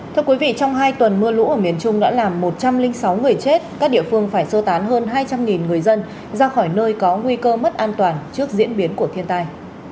thưa quý vị trong hai tuần mưa lũ ở miền trung đã làm một trăm linh sáu người chết các địa phương phải sơ tán hơn hai trăm linh người dân ra khỏi nơi có nguy cơ mất an toàn trước diễn biến của thiên tai